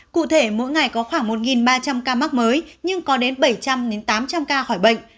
cụ thể mỗi ngày có khoảng một ba trăm linh ca mắc mới nhưng có đến bảy trăm linh tám trăm linh ca khỏi bệnh